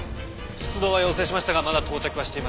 出動は要請しましたがまだ到着はしていません。